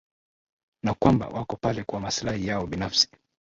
na kwamba wako pale kwa maslahi yao binafsi